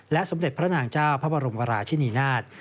สมเด็จพระนางเจ้าพระบรมราชินีนาฏ